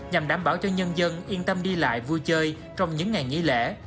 nhằm đảm bảo cho nhân dân yên tâm đi lại vui chơi trong những ngày nghỉ lễ